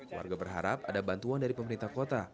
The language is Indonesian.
warga berharap ada bantuan dari pemerintah kota